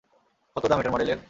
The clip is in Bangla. কত দাম এটার মডলের?